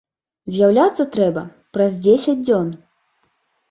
З'яўляцца трэба праз дзесяць дзён.